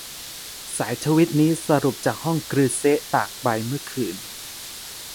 สายทวีตนี้สรุปจากห้อง กรือเซะ ตากใบ เมื่อคืน